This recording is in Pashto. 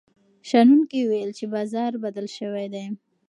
شنونکي وویل چې بازار بدل شوی دی.